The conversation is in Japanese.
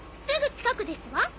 すぐ近くですわ。